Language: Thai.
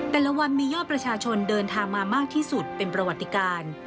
แต่ละวันมียอดประชาชนเดินทางมามากที่สุดเป็นประวัติการ